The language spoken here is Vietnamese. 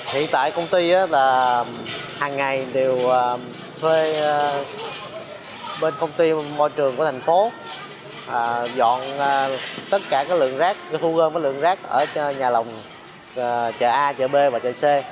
hiện tại công ty hàng ngày đều thuê bên công ty môi trường của thành phố dọn tất cả lượng rác ở nhà lồng chợ a chợ b và chợ c